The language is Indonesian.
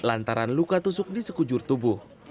lantaran luka tusuk di sekujur tubuh